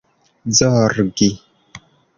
zorgi